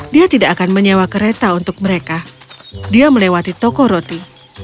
dia tidak akan menyewa kereta untuk mereka dia melewati toko roti